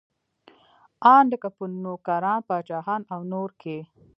ان لکه په نوکران، پاچاهان او نور کې.